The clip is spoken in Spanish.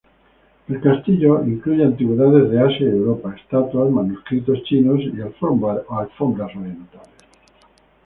El castillo incluye antigüedades de Asia y Europa, estatuas, manuscritos chinos, y alfombras orientales.